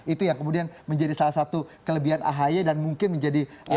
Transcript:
itu yang kemudian menjadi salah satu kelebihan ahi dan mungkin menjadi kekurangan dari pks